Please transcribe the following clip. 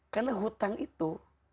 karena hutang itu